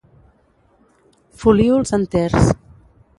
Folíols enters.